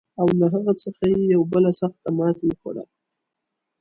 او له هغه څخه یې یوه بله سخته ماته وخوړه.